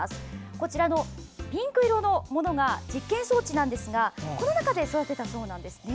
このピンク色のものが実験装置なんですがこの中で育てたそうなんです。